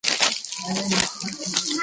هغه ستاسو راتلونکی دی.